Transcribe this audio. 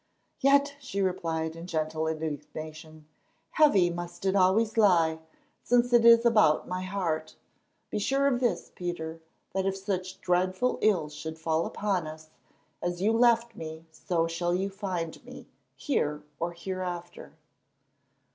"Yet," she replied in gentle indignation, "heavy must it always lie, since it is about my heart. Be sure of this, Peter, that if such dreadful ill should fall upon us, as you left me so shall you find me, here or hereafter."